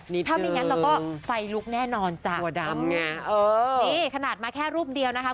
นิดหนึ่งตัวดำไงเออนี่ขนาดมาแค่รูปเดียวนะคะ